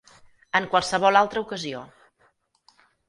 En qualsevol altra ocasió